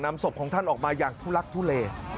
ศพของท่านออกมาอย่างทุลักทุเล